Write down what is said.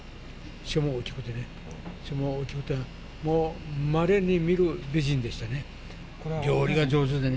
背も大きくてね、背も大きくて、もうまれに見る美人でしたね。